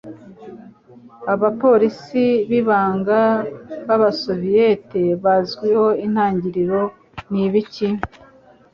Abapolisi b'ibanga b'Abasoviyeti bazwiho intangiriro: Nibiki?